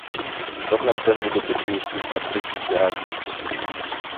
Problem ten nie dotyczy już tylko Afryki czy Azji